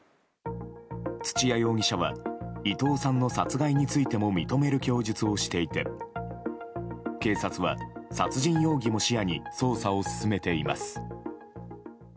土屋容疑者は伊藤さんの殺害についても認める供述をしていて警察は、殺人容疑も視野に捜査を進めています。